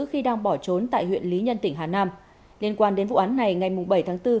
khi đang bỏ trốn tại huyện lý nhân tỉnh hà nam liên quan đến vụ án này ngày bảy tháng bốn